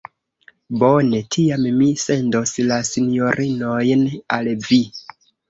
Bone, tiam mi sendos la sinjorinojn al vi.